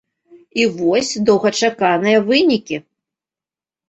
І вось доўгачаканыя вынікі.